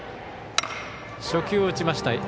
初球を打ちました